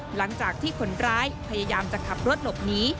หลังจากที่คนร้ายพยายามจะขับรถหลบหนี